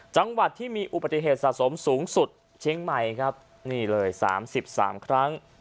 จังหวัดที่มีอุบัติเหตุสะสมสูงสุดเชียงใหม่๓๓ครั้ง